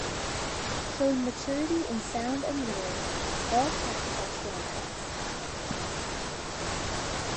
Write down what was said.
Showing maturity in sound and lyric, all tracks are standouts.